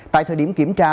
tại thời điểm kiểm tra